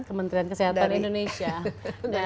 kementerian kesehatan indonesia